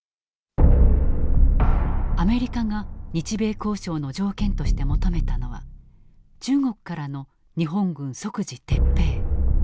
アメリカが日米交渉の条件として求めたのは中国からの日本軍即時撤兵。